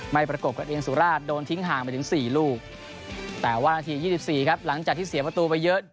ประกบกันเองสุราชโดนทิ้งห่างไปถึง๔ลูกแต่ว่านาที๒๔ครับหลังจากที่เสียประตูไปเยอะ